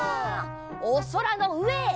おそらのうえへ。